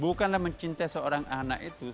bukanlah mencintai seorang anak itu